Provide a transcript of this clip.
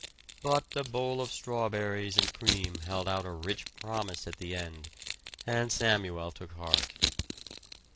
But a bowl of strawberries and cream held out a rich promise at the end, and Samuel took heart.